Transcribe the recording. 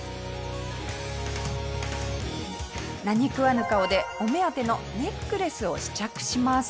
何食わぬ顔でお目当てのネックレスを試着します。